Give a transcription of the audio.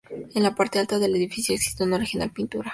En la parte alta del edificio existe una original pintura.